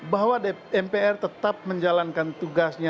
bahwa mpr tetap menjalankan tugasnya